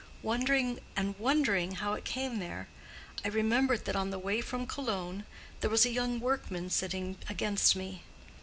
Wondering and wondering how it came there, I remembered that on the way from Cologne there was a young workman sitting against me.